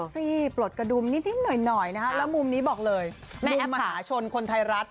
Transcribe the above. ซี่ปลดกระดุมนิดหน่อยนะฮะแล้วมุมนี้บอกเลยมุมมหาชนคนไทยรัฐ